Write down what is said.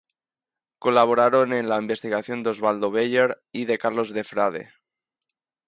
Colaboraron en la investigación Osvaldo Bayer y Carlos del Frade.